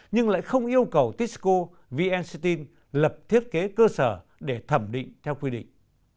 nhưng lại không yêu cầu tysco vn steel lập thiết kế cơ sở để thẩm định theo quy định